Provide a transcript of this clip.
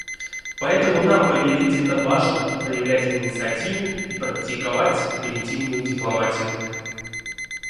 Поэтому нам повелительно важно проявлять инициативу и практиковать превентивную дипломатию.